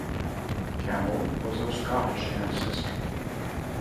Campbell was of Scottish ancestry.